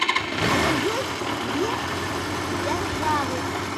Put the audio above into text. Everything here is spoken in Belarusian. Але ёсць дзве дзяржавы.